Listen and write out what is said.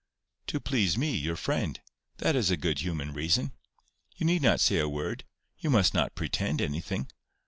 "To please me, your friend. That is a good human reason. You need not say a word—you must not pretend anything.